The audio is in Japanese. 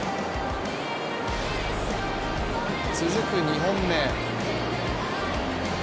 続く２本目。